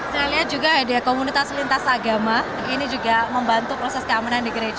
saya lihat juga ada komunitas lintas agama ini juga membantu proses keamanan di gereja